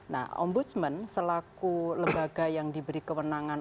nah ombudsman selaku lembaga yang diberi kewenangan